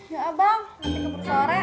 ya abang nanti ke bersorak